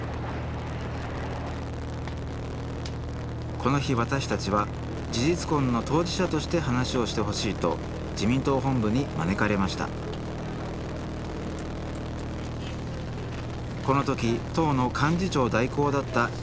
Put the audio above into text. この日私たちは事実婚の当事者として話をしてほしいと自民党本部に招かれましたこの時党の幹事長代行だった稲田議員。